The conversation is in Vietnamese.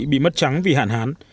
bị mất trắng vì hạn hán